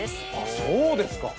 そうですか。